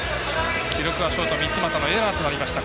記録はショート三ツ俣のエラーとなりました。